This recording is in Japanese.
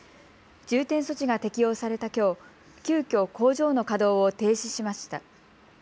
重点措置が適用されたきょう、急きょ工場の稼働を停止しました。